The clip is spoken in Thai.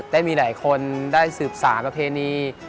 ได้มีหลายคนได้สืบสารประเพณี